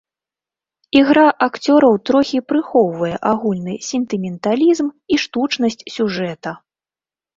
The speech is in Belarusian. Ігра акцёраў трохі прыхоўвае агульны сентыменталізм і штучнасць сюжэта.